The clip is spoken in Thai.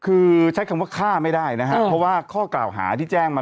คือใช้คำว่าฆ่าไม่ได้นะครับเพราะว่าข้อกล่าวหาที่แจ้งมา